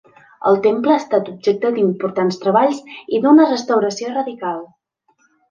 El temple ha estat objecte d'importants treballs i d'una restauració radical.